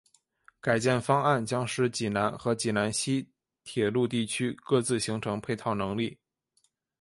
改建方案将使济南和济南西铁路地区各自形成配套能力。